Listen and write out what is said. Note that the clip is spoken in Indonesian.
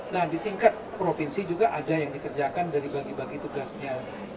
nah di tingkat provinsi juga ada yang dikerjakan dari bagi bagi tugasnya